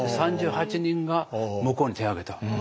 ３８人が向こうに手を挙げた。